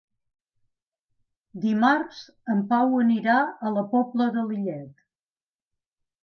Dimarts en Pau anirà a la Pobla de Lillet.